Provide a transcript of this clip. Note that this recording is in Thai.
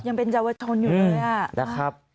ยังเป็นเยาวชนอยู่เลยนะครับ